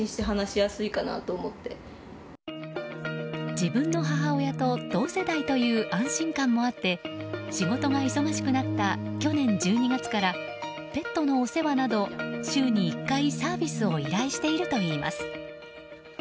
自分の母親と同世代という安心感もあって仕事が忙しくなった去年１２月からペットのお世話など週に１回、サービスを依頼しているといいます。